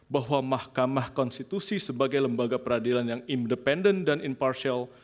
bahwa mahkamah konstitusi sebagai lembaga peradilan yang independen dan impartial